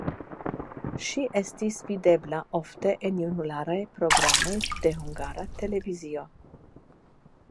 Ŝi estis videbla ofte en junularaj programoj de Hungara Televizio.